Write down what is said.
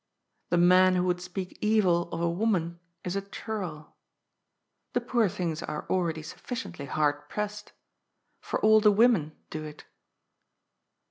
The man who would speak evil of a woman is a churl. The poor things are already sufficiently hard pressed. For all the women do it.